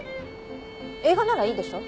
映画ならいいでしょ。